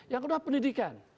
yang kedua pendidikan